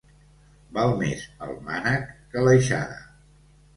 Val més el mànec que l'aixada.